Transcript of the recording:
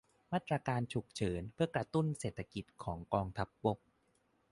มาตรการฉุกเฉินเพื่อกระตุ้นเศรษฐกิจของกองทัพบก